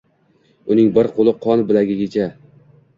Uning bir qo’li qon bilagigacha!..